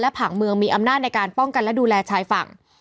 ผังเมืองมีอำนาจในการป้องกันและดูแลชายฝั่ง